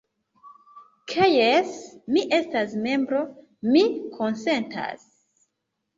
Ke jes, mi estas membro, mi konsentas.